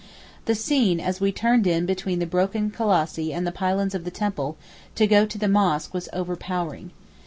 The scene as we turned in between the broken colossi and the pylons of the temple to go to the mosque was over powering.